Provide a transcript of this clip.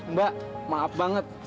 mbak maaf banget